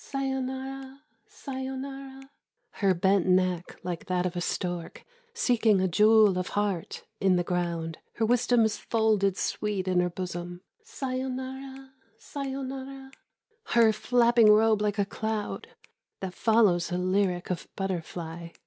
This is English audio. Sayonara, sayonara •.. Her bent neck like that of a stork Seeking a jewel of heart in the ground ! Her wisdom is folded sweet in her bosom. Sayonara, sayonara .•• Her flapping robe like a cloud That follows a lyric of butterfly